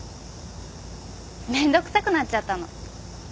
めんどくさくなっちゃったの。